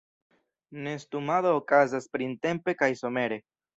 Nestumado okazas printempe kaj somere.